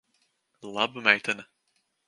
Laba meitene.